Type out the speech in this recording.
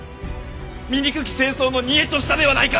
醜き政争の贄としたではないか！